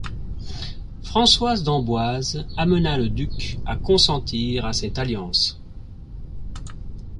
Françoise d'Amboise amena le duc à consentir à cette alliance.